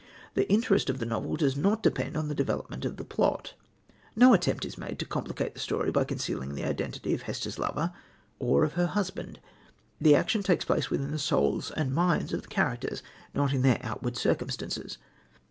The interest of the novel does not depend on the development of the plot. No attempt is made to complicate the story by concealing the identity of Hester's lover or of her husband. The action takes place within the souls and minds of the characters, not in their outward circumstances.